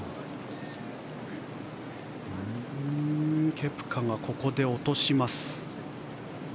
ケプカがここで落とします。